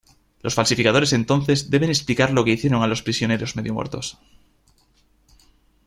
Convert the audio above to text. Los falsificadores entonces deben explicar lo que hicieron a los prisioneros medio muertos.